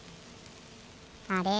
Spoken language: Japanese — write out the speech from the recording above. あれ？